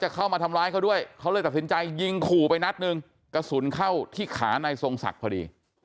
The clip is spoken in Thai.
กระสุนเข้าที่ขานายทรงศักรณ์พอดี